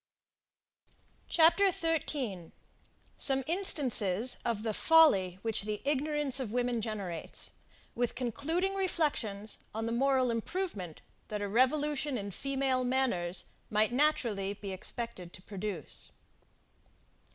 CHAPTER 13. SOME INSTANCES OF THE FOLLY WHICH THE IGNORANCE OF WOMEN GENERATES; WITH CONCLUDING REFLECTIONS ON THE MORAL IMPROVEMENT THAT A REVOLUTION IN FEMALE MANNERS MIGHT NATURALLY BE EXPECTED TO PRODUCE.